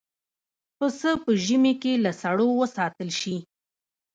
پسه په ژمي کې له سړو وساتل شي.